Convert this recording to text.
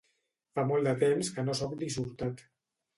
Fa molt de temps que no soc dissortat.